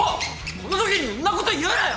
こんなときにんなこと言うなよ！